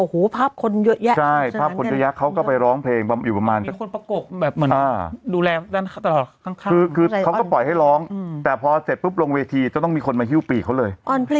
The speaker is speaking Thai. คือเขาก็ปล่อยให้ร้องแต่พอเสร็จปุ๊บลงเวทีจะต้องมีคนมาฮี่้วปีกเขาเลย